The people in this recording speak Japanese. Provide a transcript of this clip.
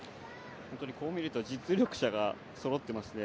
こう見ると実力者がそろっていますね。